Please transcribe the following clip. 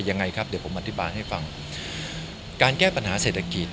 ยังไงครับเดี๋ยวผมอธิบายให้ฟังการแก้ปัญหาเศรษฐกิจ